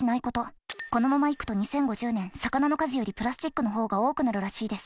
このままいくと２０５０年魚の数よりプラスチックの方が多くなるらしいです。